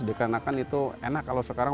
dikarenakan itu enak kalau sekarang